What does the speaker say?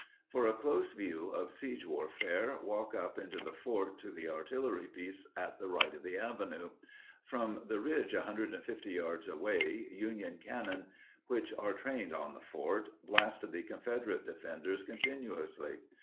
For a close view of siege warfare, walk up into the fort, to the artillery piece at the right of the avenue. From the ridge 150 yards away, Union cannon, which are trained on the fort, blasted the Confederate defenders continuously.